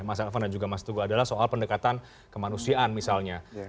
mas elvan dan juga mas teguh adalah soal pendekatan kemanusiaan misalnya